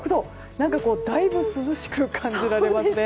何か、だいぶ涼しく感じられますね。